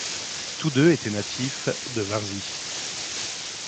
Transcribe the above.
Tous deux étaient natifs de Varzy.